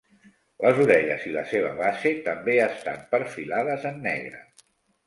Les orelles i la seva base també estan perfilades en negre.